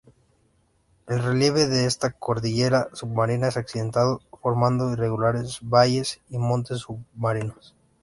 El relieve de esta cordillera submarina es accidentado, formando irregulares valles y montes submarinos.